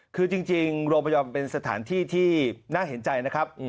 คือจริงโรพยอมเป็นสถานที่ที่น่าเห็นใจนะครับ